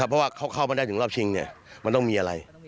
เพราะว่าเขาเข้ามาได้ถึงรอบชิงมันต้องมีอะไร